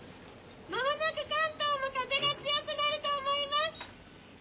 間もなく関東も風が強くなると思います。